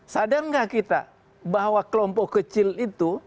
sadar nggak kita bahwa kelompok kecil itu